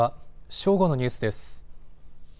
正午のニュースです。